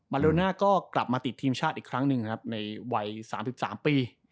โลน่าก็กลับมาติดทีมชาติอีกครั้งหนึ่งครับในวัย๓๓ปี